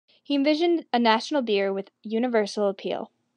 He envisioned a national beer with universal appeal.